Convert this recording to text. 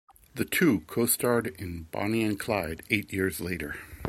The two co-starred in "Bonnie and Clyde" eight years later.